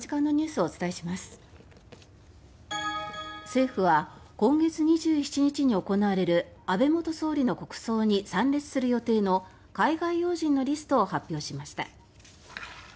政府は今月２７日に行われる安倍元総理の国葬に参列する予定の海外要人のリストを発表しました。